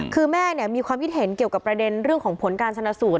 คือแม่มีความคิดเห็นเกี่ยวกับประเด็นเรื่องของผลการชนะสูตร